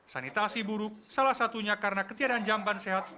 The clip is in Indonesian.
sanitasi buruk salah satunya karena ketiadaan jamban sehat